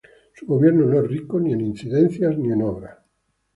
Su gobierno no es rico ni en incidencias ni en obras.